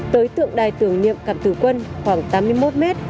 tới tượng đài tưởng niệm cặp tử quân khoảng tám mươi một m